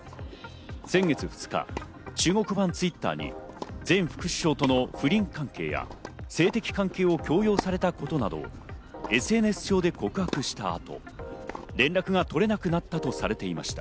先月２日、中国版Ｔｗｉｔｔｅｒに前副首相との不倫関係や性的関係を強要されたことなどＳＮＳ上で告白した後、連絡が取れなくなったとされていました。